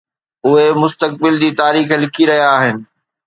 اهي مستقبل جي تاريخ لکي رهيا آهن.